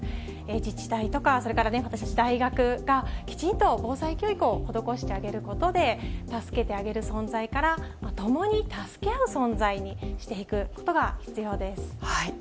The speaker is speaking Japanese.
自治体とかそれから、私たち大学がきちんと防災教育を施してあげることで、助けてあげる存在から、共に助け合う存在にしていくことが必要です。